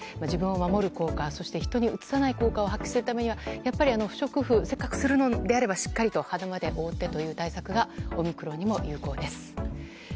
自分を守る効果そして人にうつさない効果を発揮するためにはやっぱり不織布せっかくするのであればしっかりと鼻まで覆ってという対策がオミクロンにも有効です。